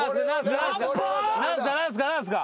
何すか？